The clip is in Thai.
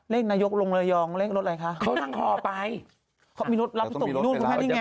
เลขนายกลงเลยอ่องเลขรถอะไรคะเขาทำกล่อไปมีรถรับเขาส่งไปนู่นก็แบบนี้ไง